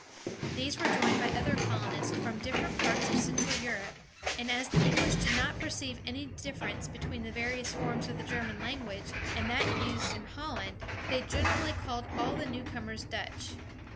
These were joined by other colonists, from different parts of central Europe; and as the English did not perceive any difference between the various forms of the German language and that used in Holland, they generally called all the newcomers Dutch.